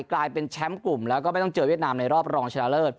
กลายเป็นแชมป์กลุ่มแล้วก็ไม่ต้องเจอเวียดนามในรอบรองชนะเลิศ